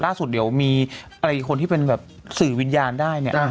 ล่าสุดเดี๋ยวมีคนที่เป็นแบบสื่อวิญญาณได้เนี่ย